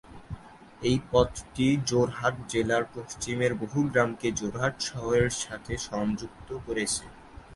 এই পথটি যোরহাট জেলার পশ্চিমের বহু গ্রামকে যোরহাট শহরের সাথে সংযুক্ত করেছে।